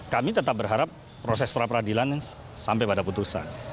kami tetap berharap proses pra peradilan sampai pada putusan